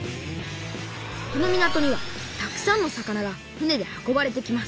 この港にはたくさんの魚が船で運ばれてきます